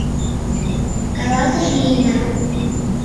— каласыш Лина.